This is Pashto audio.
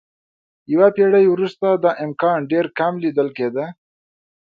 یوه پېړۍ وروسته دا امکان ډېر کم لیدل کېده.